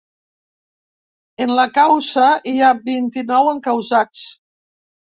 En la causa hi ha vint-i-nou encausats.